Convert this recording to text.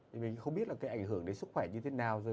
thì mình không biết là cái ảnh hưởng đến sức khỏe như thế nào rồi